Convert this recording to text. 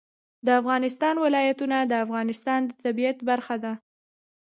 د افغانستان ولايتونه د افغانستان د طبیعت برخه ده.